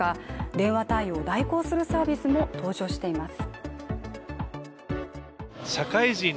電話対応を代行するサービスも登場しています。